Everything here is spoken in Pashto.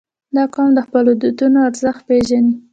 • دا قوم د خپلو دودونو ارزښت پېژني.